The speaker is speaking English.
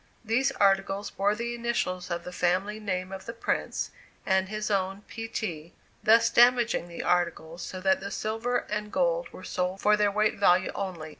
These articles bore the initials of the family name of the Prince, and his own, "P. T.," thus damaging the articles, so that the silver and gold were sold for their weight value only.